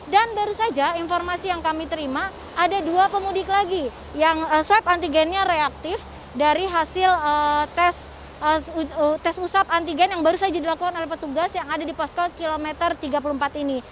dan baru saja informasi yang kami terima ada dua pemudik lagi yang swab antigennya reaktif dari hasil tes usap antigen yang baru saja dilakukan oleh petugas yang ada di posko kilometer tiga puluh empat ini